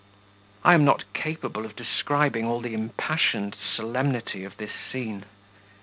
I am not capable of describing all the impassioned solemnity of this scene.